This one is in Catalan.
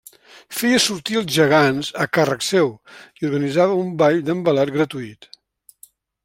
Feia sortir els gegants a càrrec seu i organitzava un ball d'envelat gratuït.